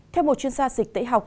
theo một chuyên gia dịch tễ học